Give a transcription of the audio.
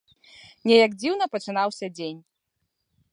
Неяк дзіўна пачынаўся дзень.